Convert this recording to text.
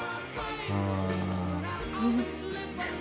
うん。